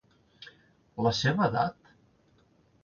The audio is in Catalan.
La seva edat?